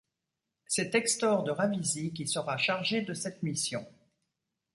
C'est Textor de Ravisi qui sera chargé de cette mission.